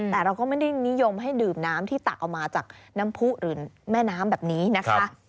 แต่เราก็ไม่ได้นิยมให้ดื่มน้ำที่ตักออกมาจากน้ำผู้หรือแม่น้ำแบบนี้นะคะ